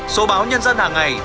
số báo nhân dân hàng ngày